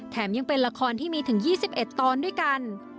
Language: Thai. ยังเป็นละครที่มีถึง๒๑ตอนด้วยกัน